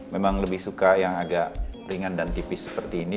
memang lebih suka yang agak ringan dan tipis seperti ini